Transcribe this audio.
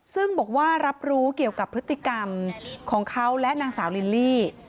ซึ่งบอกว่ารับรู้เกี่ยวกับพฤติกรรมของเขาและนางสาวลิลลี่